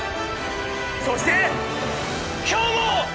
そして今日も！